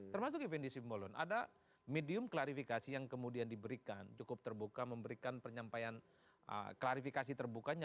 termasuk effendi simbolon ada medium klarifikasi yang kemudian diberikan cukup terbuka memberikan penyampaian klarifikasi terbukanya